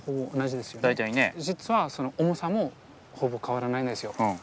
実はその重さもほぼ変わらないんですよ。